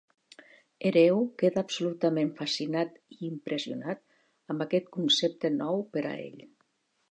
Hereu queda absolutament fascinat i impressionat amb aquest concepte nou per a ell.